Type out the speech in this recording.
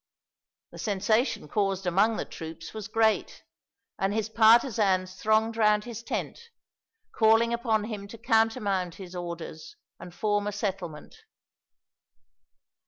The sensation caused among the troops was great, and his partisans thronged round his tent, calling upon him to countermand his orders and form a settlement.